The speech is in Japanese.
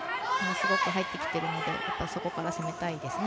すごく入ってきているので攻めたいですね